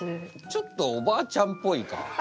ちょっとおばあちゃんっぽいか。